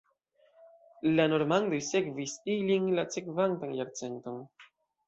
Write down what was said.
La normandoj sekvis ilin la sekvantan jarcenton.